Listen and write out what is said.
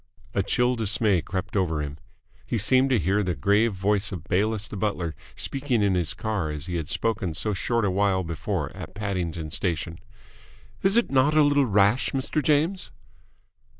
A chill dismay crept over him. He seemed to hear the grave voice of Bayliss the butler speaking in his car as he had spoken so short a while before at Paddington Station. "Is it not a little rash, Mr. James?"